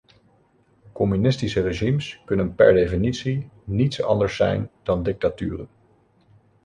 Communistische regimes kunnen per definitie niets anders zijn dan dictaturen.